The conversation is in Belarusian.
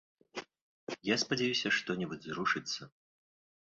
Я спадзяюся, што-небудзь зрушыцца.